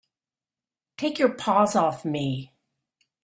Take your paws off me!